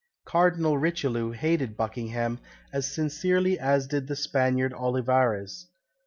'" Cardinal Richelieu hated Buckingham as sincerely as did the Spaniard Olivares.